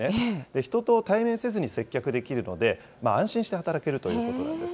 人と対面せずに接客できるので、安心して働けるということなんです。